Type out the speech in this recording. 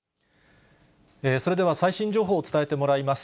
それでは最新情報を伝えてもらいます。